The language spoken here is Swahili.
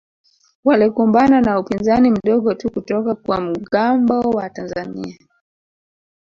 Walikumbana na upinzani mdogo tu kutoka kwa mgambo wa Tanzania